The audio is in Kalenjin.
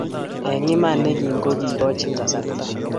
eng iman ne gim ko kekachin kasarta